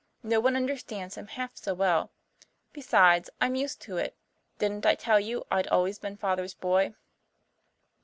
No one understands him half so well. Besides, I'm used to it. Didn't I tell you I'd always been Father's boy?"